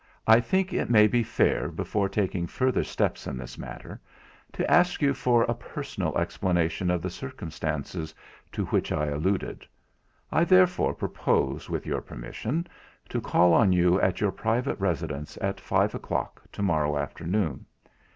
I think it may be fair, before taking further steps in this matter, to ask you for a personal explanation of the circumstances to which I alluded. I therefore propose with your permission to call on you at your private residence at five o'clock to morrow afternoon.